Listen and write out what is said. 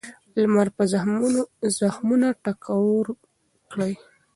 لمر به زخمونه ټکور کړي.